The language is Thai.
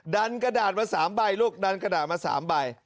กระดาษมา๓ใบลูกดันกระดาษมา๓ใบ